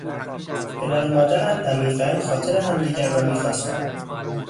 پدر و مادرم عمیقا خاطر همدیگر را میخواستند.